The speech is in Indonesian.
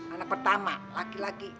anak pertama laki laki